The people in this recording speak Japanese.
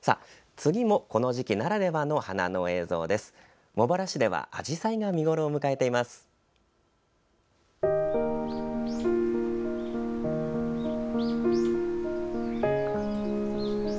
次も、この時期ならではの花の映像です。